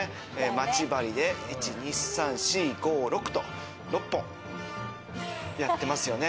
待ち針で、１、２、３、４、５、６と、やってますよね。